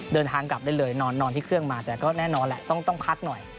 เดินทางกลับได้เลยนอนที่เครื่องมาแต่ก็แน่นอนแหละต้องพักหน่อย